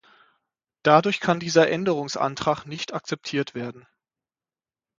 Dadurch kann dieser Änderungsantrag nicht akzeptiert werden.